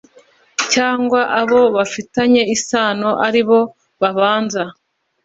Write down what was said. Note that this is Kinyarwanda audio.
Cyangwa abo bafitanye isano ari bo babanza